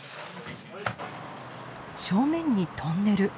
正面にトンネル。